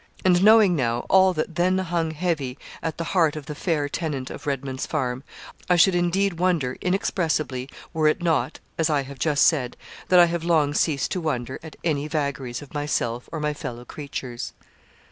And knowing now all that then hung heavy at the heart of the fair tenant of Redman's Farm, I should, indeed, wonder inexpressibly, were it not, as I have just said, that I have long ceased to wonder at any vagaries of myself or my fellow creatures.